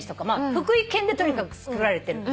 福井県でとにかくつくられてる。